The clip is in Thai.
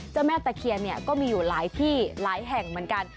แม่ตะเคียนเนี่ยก็มีอยู่หลายที่หลายแห่งเหมือนกัน